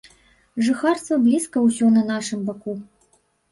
Жыхарства блізка ўсё на нашым баку.